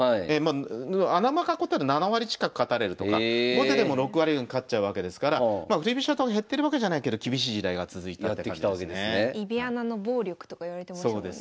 穴熊囲ったら７割近く勝たれるとか後手でも６割が勝っちゃうわけですから振り飛車党減ってるわけじゃないけど厳しい時代が続いたって感じですね。とかいわれてましたよね。